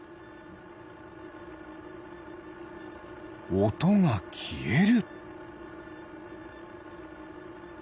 おとがきえる。